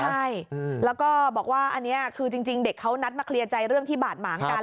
ใช่แล้วก็บอกว่าอันนี้คือจริงเด็กเขานัดมาเคลียร์ใจเรื่องที่บาดหมางกัน